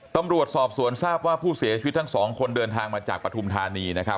ตำรวจสอบสวนทราบว่าผู้เสียชีวิตทั้งสองคนเดินทางมาจากปฐุมธานีนะครับ